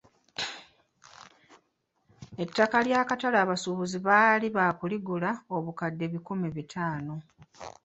Ettaka ly'akatale abasuubuzi baali baakuligula obukadde ebikumi bitaano.